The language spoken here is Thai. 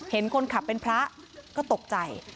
เห็นคนขับเป็นพระก็ตกใจ